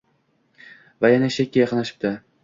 Va yana eshakka yaqinlashdi.